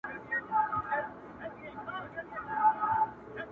• امن ښه دی پاچا هلته به خوند وکړي..